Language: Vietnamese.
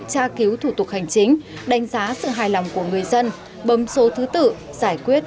tra cứu thủ tục hành chính đánh giá sự hài lòng của người dân bấm số thứ tự giải quyết